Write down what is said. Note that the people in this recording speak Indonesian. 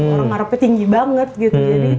orang arabnya tinggi banget gitu